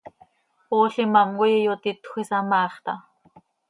Ool imám coi iyotitjö, isamaax taa.